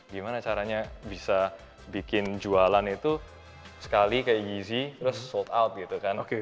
gimana caranya bisa bikin jualan itu sekali kayak gizi terus sold out gitu kan